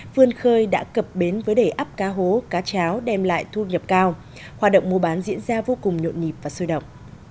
vươn khơi đã cập bến với đầy áp cá hố cá cháo đem lại thu nhập cao hoạt động mua bán diễn ra vô cùng nhộn nhịp và sôi động